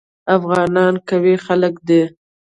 افغانان قوي خلک دي.